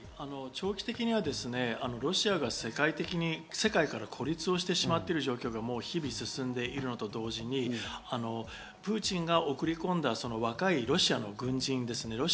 長期的にはロシアが世界的に、世界から孤立をしてしまっている状況が日々進んでいるのと同時に、プーチンが送り込んだ若いロシアの軍人ですね。